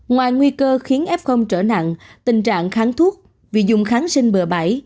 ngoài nguy cơ khiến f trở nặng tình trạng kháng thuốc vì dùng kháng sinh bờ bẫy